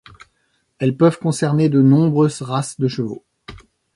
Elles peuvent concerner de nombreuses races de chevaux.